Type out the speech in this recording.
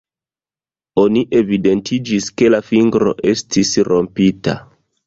Oni evidentiĝis ke la fingro estis rompita.